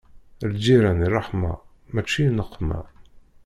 Lǧiran i ṛṛeḥma, mačči i nneqma.